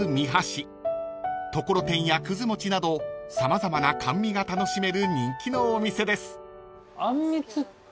［ところてんやくず餅など様々な甘味が楽しめる人気のお店です］